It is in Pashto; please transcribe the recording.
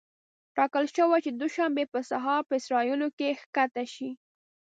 ټاکل شوې چې د دوشنبې په سهار په اسرائیلو کې ښکته شي.